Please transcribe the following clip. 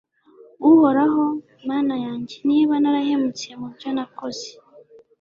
uhoraho, mana yanjye, niba narahemutse mu byo nakoze